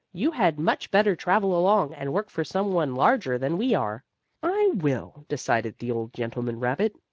You had much better travel along, and work for some one larger than we are." "I will," decided the old gentleman rabbit.